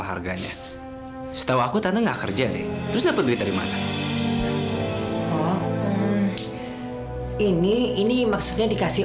sebagainya setau aku tanda nggak kerja deh terus dapat duit dari mana ini ini maksudnya dikasih